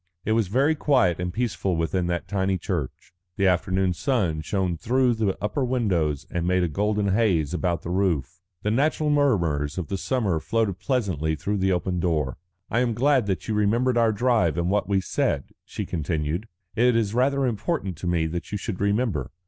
It was very quiet and peaceful within that tiny church. The afternoon sun shone through the upper windows and made a golden haze about the roof. The natural murmurs of the summer floated pleasantly through the open door. "I am glad that you remembered our drive and what we said," she continued. "It is rather important to me that you should remember.